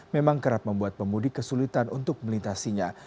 memang kerap membuat pemudik kesulitan untuk melintasinya